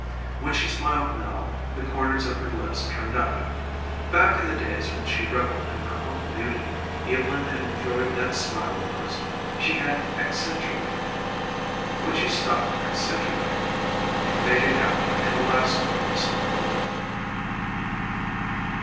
When she smiled now the corners of her lips turned up. Back in the days when she revelled in her own beauty Evylyn had enjoyed that smile of hers she had accentuated it. When she stopped accentuating it, it faded out and the last of her mystery with it.